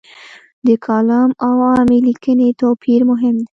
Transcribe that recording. د کالم او عامې لیکنې توپیر مهم دی.